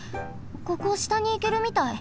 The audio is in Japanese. ここしたにいけるみたい。